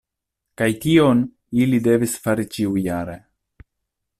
Kaj tion, ili devis fari ĉiujare.